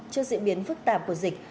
trước diễn biến phức tạp của dịch